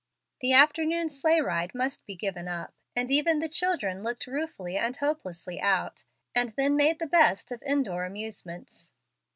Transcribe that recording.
The afternoon sleigh ride must be given up, and even the children looked ruefully and hopelessly out, and then made the best of in door amusements.